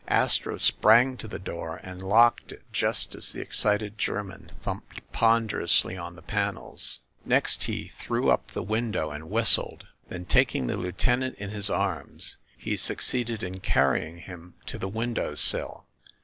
Astro sprang to the door and locked it just as the excited German thumped ponderously on the panels. Next he threw up the window and whistled. Then taking the lieutenant in his arms, he succeeded in car rying him to the window sill.